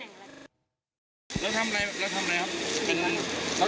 มาเป็นตำแหน่งอะไร